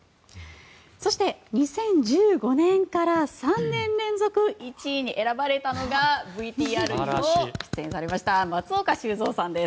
そして２０１５年から３年連続１位に選ばれたのがＶＴＲにも出演されました松岡修造さんです。